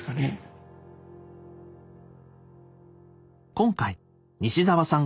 今回西澤さん